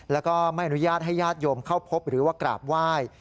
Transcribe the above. แล้วก็ไม่อนุญาตให้ญาติโยมเข้าพบหรือว่ากราบไหว้